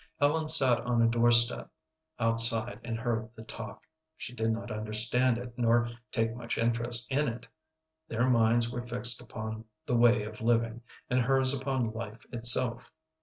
Ellen sat on the doorstep outside and heard the talk. She did not understand it, nor take much interest in it. Their minds were fixed upon the way of living, and hers upon life itself.